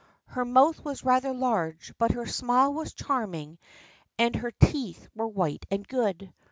Her mouth was rather large but her smile was charming and her teeth were white and good.